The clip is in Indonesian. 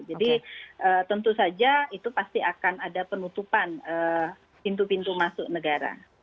jadi tentu saja itu pasti akan ada penutupan pintu pintu masuk negara